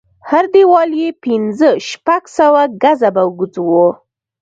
هر دېوال يې پنځه شپږ سوه ګزه به اوږد و.